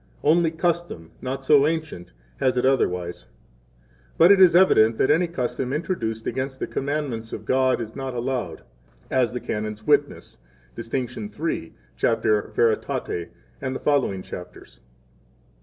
8 Only custom, not so ancient, has it otherwise. But it is evident 9 that any custom introduced against the commandments of God is not to be allowed, as the Canons witness (dist. III., cap. Veritate, and the following chapters).